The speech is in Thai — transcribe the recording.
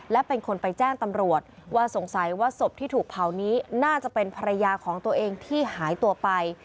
และเป็นคนไปแจ้งตำรวจว่าสงสัยว่าศพที่ถูกเผานี้น่าจะเป็นภรรยาของตัวเองที่หายตัวไป